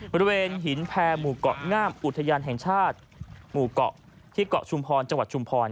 บริเวณหินแพรหมู่เกาะงามอุทยานแห่งชาติหมู่เกาะที่เกาะชุมพรจังหวัดชุมพร